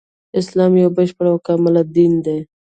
اسلام يو بشپړ او کامل دين دی